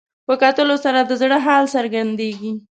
په کتلو سره د زړه حال څرګندېږي